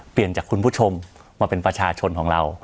เปลี่ยนจากคุณผู้ชมมาเป็นประชาชนของเรา